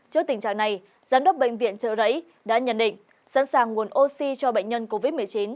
trước tình trạng này giám đốc bệnh viện trợ rẫy đã nhận định sẵn sàng nguồn oxy cho bệnh nhân covid một mươi chín